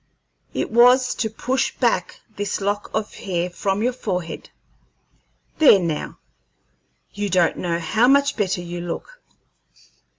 "It was to push back this lock of hair from your forehead. There, now; you don't know how much better you look!"